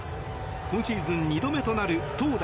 今シーズン２度目となる投打